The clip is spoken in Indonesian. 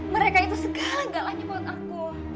mereka itu segala galanya buat aku